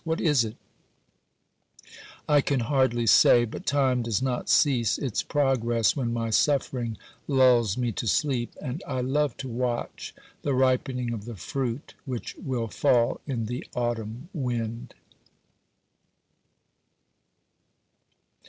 What is it ? I can hardly say, but time does not cease its progress when my suffering lulls me to sleep, and I love to watch the ripening of the fruit which will fall in the autumn wind.